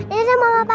dadah mama papa